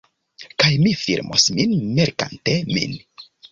Kaj mi filmos min melkante min